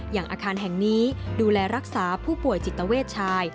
อย่างอาคารแห่งนี้ดูแลรักษาผู้ป่วยจิตเวชชาย